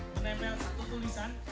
menempel satu tulisan